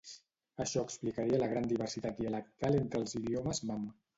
Això explicaria la gran diversitat dialectal entre els idiomes mam.